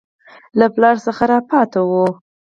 له پلاره څه راپاته وو.